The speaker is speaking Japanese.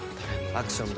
アクション。